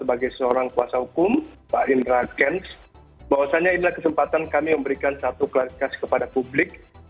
bahwasannya inilah kesempatan kami memberikan satu klarifikasi kepada publik